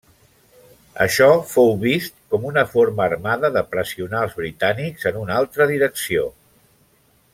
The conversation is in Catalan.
Això fou vist com una forma armada de pressionar als britànics en una altra direcció.